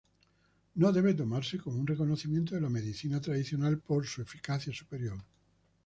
No debe tomarse como un reconocimiento de la medicina tradicional por su eficacia superior.